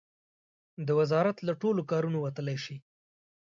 د وزارت له ټولو کارونو وتلای شي.